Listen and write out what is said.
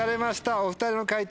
お２人の解答